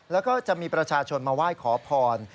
แล้วก็จะมีประชาชนมาไหว้ขอพร